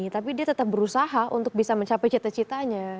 tapi dia tetap berusaha untuk bisa mencapai cita citanya